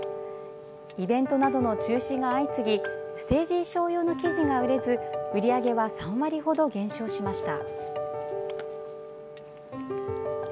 イベントなどの中止が相次ぎステージ衣装用の生地が売れず売り上げは３割ほど減少しました。